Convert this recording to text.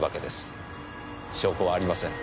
証拠はありません。